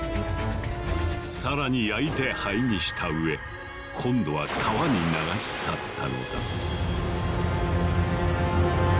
更に焼いて灰にしたうえ今度は川に流し去ったのだ。